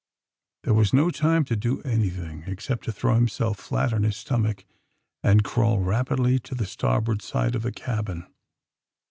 Tbere was no time to do anytbing except to tbrow bimself flat on bis stomacb and crawl rapidly down to tbe starboard side of tbe cabin.